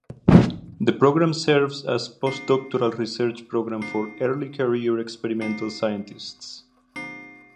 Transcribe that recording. The program serves as a postdoctoral research program for early career experimental scientists.